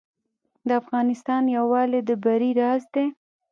د افغانستان یووالی د بری راز دی